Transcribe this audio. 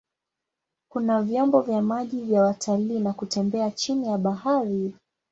Kuna vyombo vya maji vya watalii na kutembea chini ya bahari.